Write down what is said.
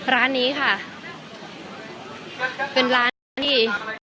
ร้านนี้ค่ะเป็นร้านที่